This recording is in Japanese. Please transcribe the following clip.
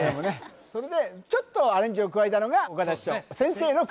それでちょっとアレンジを加えたのが岡田師匠「先生の車」